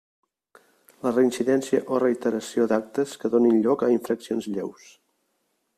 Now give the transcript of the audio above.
La reincidència o reiteració d'actes que donin lloc a infraccions lleus.